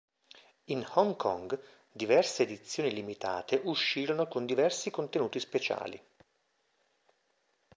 In Hong Kong, diverse edizioni limitate uscirono con diversi contenuti speciali.